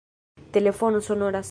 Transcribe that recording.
Telefono sonoras